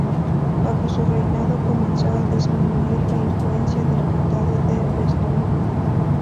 Bajo su reinado, comenzó a disminuir la influencia del condado de Besalú.